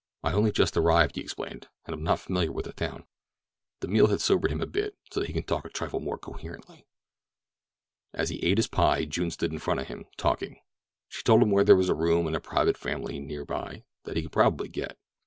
"I only just arrived," he explained, "and am not familiar with the town." The meal had sobered him a bit, so that he could talk a trifle more coherently. As he ate his pie June stood in front of him, talking. She told him where there was a room in a private family near by that he could probably get.